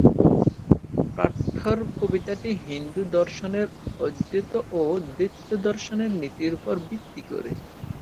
পাঠ্যের কবিতাটি হিন্দু দর্শনের অদ্বৈত ও দ্বৈত দর্শনের নীতির উপর ভিত্তি করে।